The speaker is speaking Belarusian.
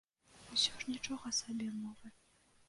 Усё ж нічога сабе мовы.